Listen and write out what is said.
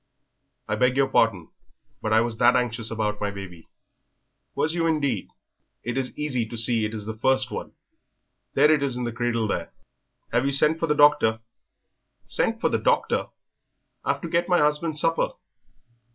"I beg your pardon, but I was that anxious about my baby." "Was you indeed? It is easy to see it is the first one. There it is in the cradle there." "Have you sent for the doctor?" "Sent for the doctor! I've to get my husband's supper."